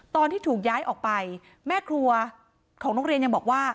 ตอนที่ถูกย้ายออกไปแม่ครัวของโรงเรียนยังบอกว่า